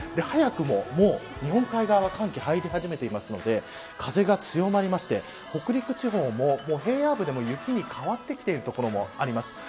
早くも日本海側は寒気が入り始めているので風が強まりまして北陸地方も平野部でも雪に変わってきている所もあります。